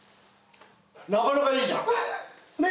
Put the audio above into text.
なかなかいいじゃん！ねぇ？